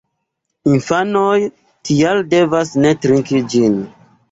Infanoj tial devas ne trinki ĝin.